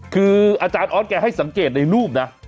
คืออาจารย์ออสแกให้สังเกตในรูปนะ